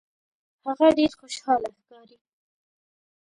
هغه ډیر خوشحاله ښکاري.